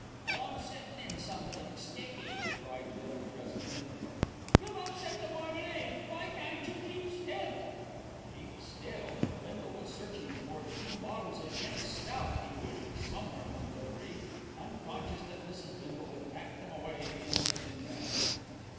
"I'm sittin' in somethink sticky," cried Bindle presently. "You've upset the marmalade. Why can't you keep still?" Keep still! Bindle was searching for the two bottles of Guinness' stout he knew to be somewhere among the débris, unconscious that Mrs. Bindle had packed them away in the tin bath.